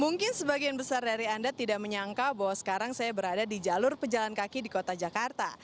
mungkin sebagian besar dari anda tidak menyangka bahwa sekarang saya berada di jalur pejalan kaki di kota jakarta